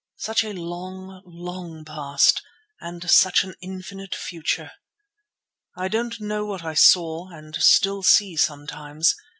Such a long, long past and such an infinite future. I don't know what I saw, and still see sometimes.